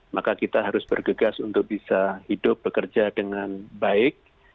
maka kita harus bergegas untuk bisa hidup bekerja dengan baik